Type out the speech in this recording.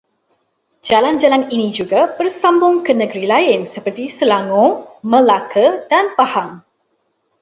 Jalan-jalan ini juga bersambung ke negeri lain seperti Selangor, Melaka dan Pahang